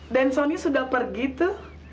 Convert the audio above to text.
dan soni sudah pergi tuh